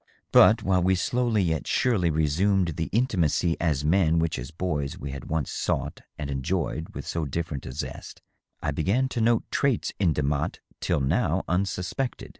But while we slowly yet surely resumed the intimacy as men which as boys we had once sought and enjoyed with so different a zest, I began to note traits in Demotte till now unsuspected.